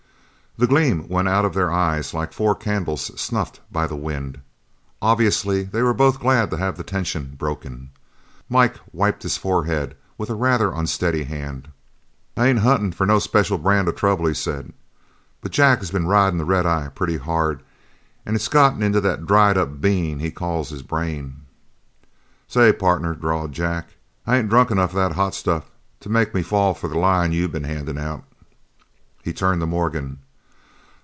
The gleam went out of their eyes like four candles snuffed by the wind. Obviously they were both glad to have the tension broken. Mike wiped his forehead with a rather unsteady hand. "I ain't huntin' for no special brand of trouble," he said, "but Jack has been ridin' the red eye pretty hard and it's gotten into that dried up bean he calls his brain." "Say, partner," drawled Jack, "I ain't drunk enough of the hot stuff to make me fall for the line you've been handing out." He turned to Morgan.